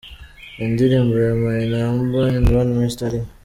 Indirimbo My number one ya Mister D:.